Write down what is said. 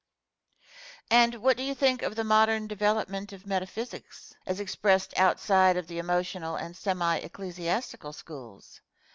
Question. And what do you think of the modern development of metaphysics as expressed outside of the emotional and semi ecclesiastical schools?